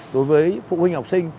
đối với phụ huynh học sinh